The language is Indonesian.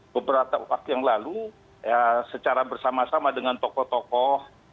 beberapa waktu yang lalu secara bersama sama dengan tokoh tokoh